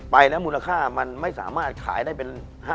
ไปแล้วมูลค่ามันไม่สามารถขายได้เป็น